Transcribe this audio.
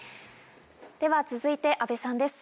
では続いて阿部さんです。